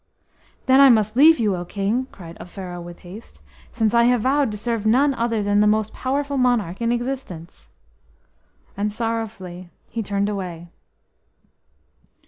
"Then I must leave you, O King!" cried Offero with haste, "since I have vowed to serve none other than the most powerful monarch in existence." And sorrowfully he turned away.